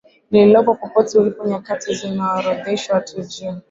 lililopo popote ulipo Nyakati zimeorodheshwa tu juu